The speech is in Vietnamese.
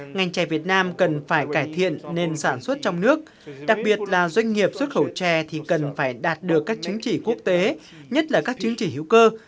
ngành trẻ việt nam cần phải cải thiện nền sản xuất trong nước đặc biệt là doanh nghiệp xuất khẩu trẻ thì cần phải đạt được các chính trị quốc tế nhất là các chính trị hữu cơ